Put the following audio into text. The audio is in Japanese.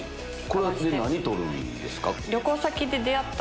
これで何撮るんですか？